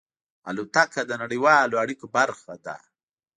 الوتکه د نړیوالو اړیکو برخه ده.